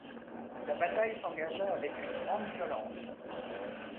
La bataille s’engagea avec une grande violence.